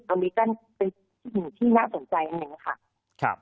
ตอนนี้ก็เป็นสิ่งที่น่าสนใจอันหนึ่งค่ะ